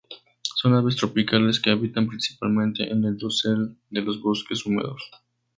Son aves tropicales que habitan principalmente en el dosel de los bosques húmedos.